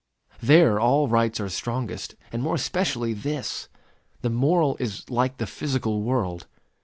There all rights are strongest, and more especially this. The moral is like the physical world.